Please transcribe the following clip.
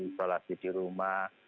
isolasi di rumah